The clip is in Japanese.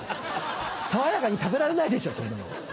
爽やかに食べられないでしょそんなの。